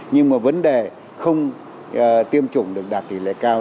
nhưng mà vấn đề không tiêm chủng được đạt tỷ lệ cao